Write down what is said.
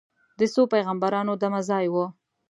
د څو پیغمبرانو دمه ځای و.